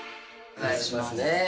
お願いしますね。